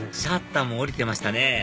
シャッターも下りてましたね